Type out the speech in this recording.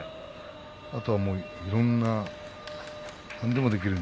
あとはいろんな何でもできますね。